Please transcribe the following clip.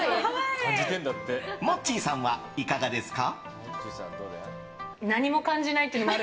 モッチーさんはいかがですか？